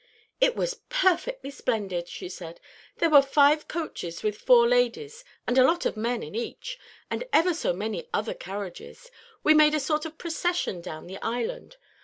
"It was perfectly splendid," she said. "There were five coaches with four ladies and a lot of men in each, and ever so many other carriages. We made a sort of procession down the Island.